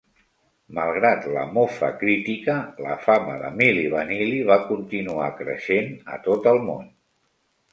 Malgrat la mofa crítica, la fama de Milli Vanilli va continuar creixent a tot el món.